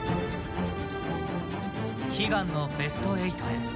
悲願のベスト８へ。